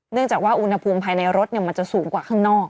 เนื่องจากว่าอุณหภูมิภายในรถมันจะสูงกว่าข้างนอก